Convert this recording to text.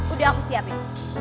udah aku siapin